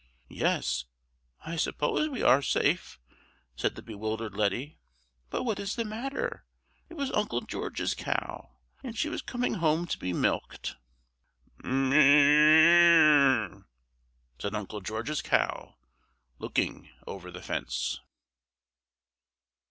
"Yes, I suppose we are safe," said the bewildered Letty. "But what was the matter? It was Uncle George's cow, and she was coming home to be milked!" "Moo oo oo!" said Uncle George's cow, looking over the fence.